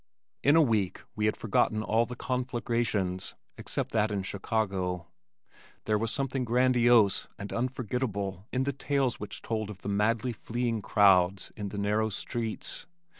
In a week we had forgotten all the "conflagrations" except that in Chicago. There was something grandiose and unforgettable in the tales which told of the madly fleeing crowds in the narrow streets.